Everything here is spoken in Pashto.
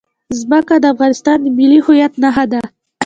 ځمکه د افغانستان د ملي هویت نښه ده.